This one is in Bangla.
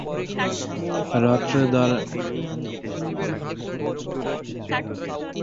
রাত্রে ঘরের দ্বার বন্ধ করিয়া পড়াশুনা করিতেন।